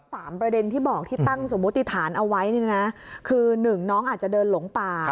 ประเด็นที่บอกที่ตั้งสมมุติฐานเอาไว้เนี่ยนะคือหนึ่งน้องอาจจะเดินหลงป่า